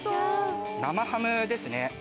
生ハムですね。